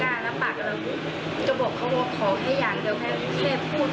แล้วจะบอกเขาบอกขอให้อย่างเร็วให้พูด